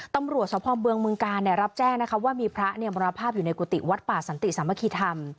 ตำรวจสภเมืองบึงกาลรับแจ้งนะคะว่ามีพระมรภาพอยู่ในกุฏิวัดป่าสันติสามัคคีธรรม